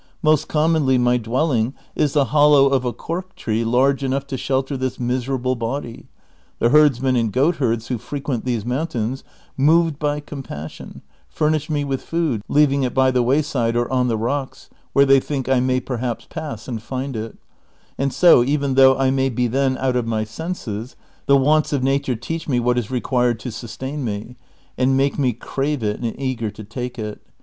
Most commonly my dwelling is the hollow of a cork tree large enough to shelter this miserable body ; the herdsmen and goatherds who fi'equent these mountains, moved by compassion, furnisli me with food, leaving it by tiie wayside or on the rocks, where they think I may perhaps pass and find it ; and so, even though I may be then out of my senses, the wants of nature teach me what is required to sustain me, and make me crave it and eager to take it.